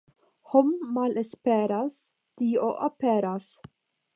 Hom' malesperas, Dio aperas.